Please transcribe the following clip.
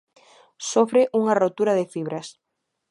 Sofre unha rotura de fibras.